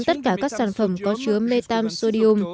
tất cả các sản phẩm có chứa metam sodium